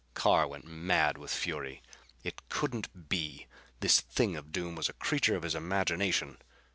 Carr went mad with fury. It couldn't be! This thing of doom was a creature of his imagination!